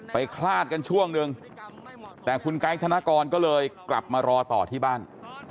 คลาดกันช่วงหนึ่งแต่คุณไกด์ธนกรก็เลยกลับมารอต่อที่บ้าน